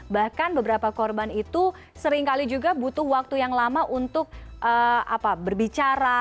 bahkan beberapa korban itu seringkali juga butuh waktu yang lama untuk berbicara